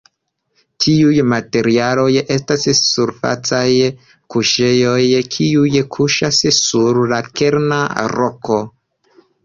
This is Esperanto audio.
Tiuj materialoj estas surfacaj kuŝejoj kiuj kuŝas sur la kerna roko.